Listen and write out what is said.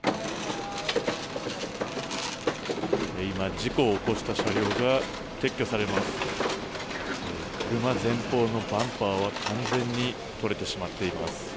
今、事故を起こした車両が撤去されます。